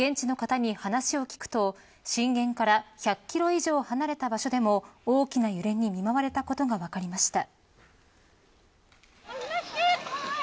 現地の方に話を聞くと震源から１００キロ以上離れた場所でも大きな揺れに見舞われたことが分かりました。